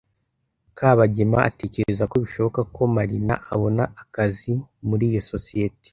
Kabagema atekereza ko bishoboka ko Marina abona akazi muri iyo sosiyete.